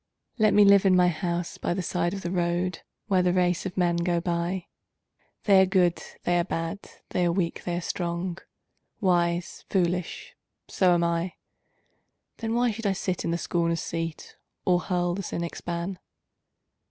Let me live in my house by the side of the road, Where the race of men go by They are good, they are bad, they are weak, they are strong, Wise, foolish so am I. Then why should I sit in the scorner's seat, Or hurl the cynic's ban?